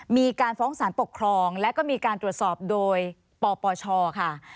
มีการฟ้องสารปกครองและก็มีการตรวจสอบโดยปปชค่ะ